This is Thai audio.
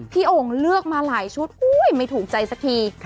พี่โอ๋งเลือกมาหลายชุดอุ๊ยไม่ถูกใจสักที